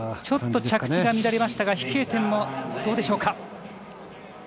ちょっと着地が乱れましたが飛型点もどうでしょうか。